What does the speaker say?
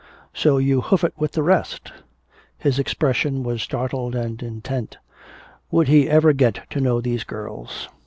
"So you hoof it with the rest!" His expression was startled and intent. Would he ever get to know these girls?